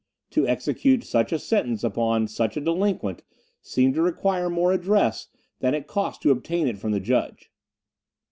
To execute such a sentence upon such a delinquent seemed to require more address than it cost to obtain it from the judge.